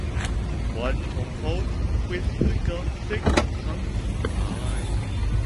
ฟันของเขาถูกปิดด้วยการคลิกครั้งสุดท้าย